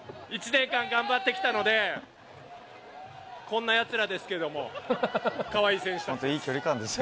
１年間、頑張ってきたので、こんなやつらですけども、かわいい選手たちです。